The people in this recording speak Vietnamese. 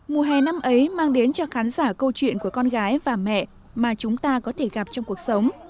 mùa hè năm ấy mang đến cho khán giả câu chuyện của con gái và mẹ mà chúng ta có thể gặp trong cuộc sống